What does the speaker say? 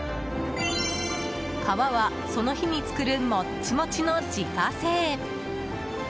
皮は、その日に作るモッチモチの自家製。